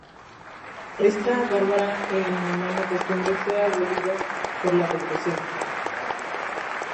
Esta bárbara e inhumana costumbre fue abolida por la revolución.